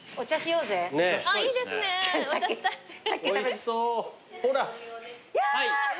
おいしそう。